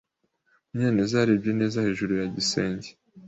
Munyanez yarebye neza hejuru ya gisenge.